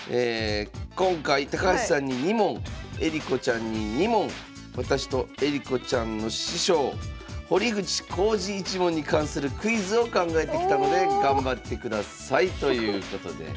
「今回高橋さんに２問恵梨子ちゃんに２問私と恵梨子ちゃんの師匠堀口弘治一門に関するクイズを考えてきたので頑張ってください」ということで。